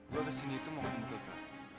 gue ke sini itu mau bawa ke kak